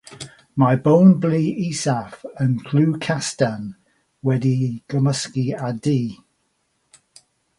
Mae'r bôn-blu isaf yn lliw castan wedi'i gymysgu â du.